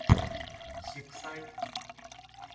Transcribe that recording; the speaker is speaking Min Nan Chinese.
熟似